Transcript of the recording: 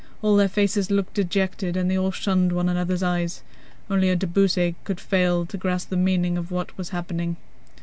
All their faces looked dejected, and they all shunned one another's eyes—only a de Beausset could fail to grasp the meaning of what was happening.